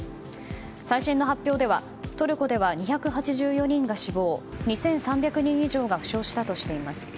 最新の発表ではトルコでは２８４人が死亡２３００人以上が負傷したとしています。